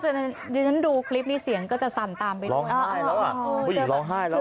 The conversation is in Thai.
ดิฉันดูคลิปนี้เสียงก็จะสั่นตามไปร้องไห้แล้วอ่ะผู้หญิงร้องไห้แล้ว